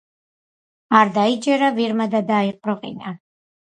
არ დაიჯერა ვირმა და დაიყროყინა.